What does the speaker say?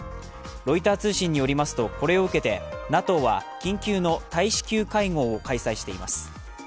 ロイター通信によりますとこれを受けてＮＡＴＯは緊急の大使級会合を開催しています。